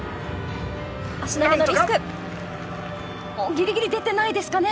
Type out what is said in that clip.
ギリギリ出てないですかね。